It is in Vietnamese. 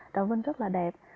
trà vinh rất là đẹp